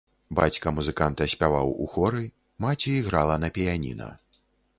Бацька музыканта спяваў у хоры, маці іграла на піяніна.